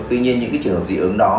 tuy nhiên những trường hợp dị ứng đó